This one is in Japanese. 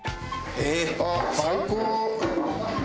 あっ最高！